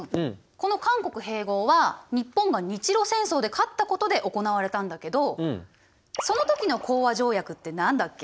この韓国併合は日本が日露戦争で勝ったことで行われたんだけどその時の講和条約って何だっけ？